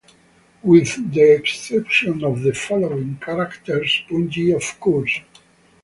With the exception of the following character, Punji, of course.